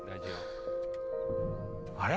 あれ？